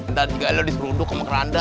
nanti kalian disuruh unduh ke makaranda